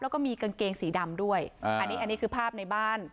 แล้วก็มีกางเกงสีดำด้วยอันนี้อันนี้คือภาพในบ้าน